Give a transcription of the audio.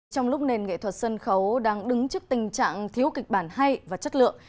trong lúc nền nghệ thuật sân khấu đang đứng trước tình trạng thiếu kịch bản hay và chất lượng